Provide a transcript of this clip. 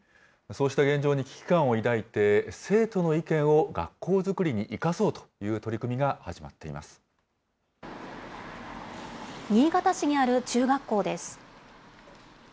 そうした現状に危機感を抱いて、生徒の意見を学校作りに生かそうという取り組みが始まっています。